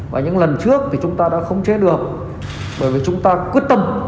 và những lần trước thì chúng ta đã khống chế được bởi vì chúng ta quyết tâm